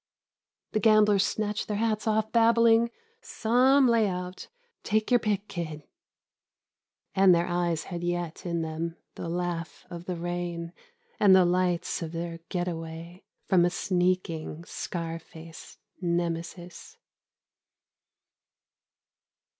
The gamblers snatched their hats off babbling, " Some layout — take your pick, kid." And their eyes had yet in them the laugh of the rain and the lights of their getaway from a sneaking scar face Nemesis.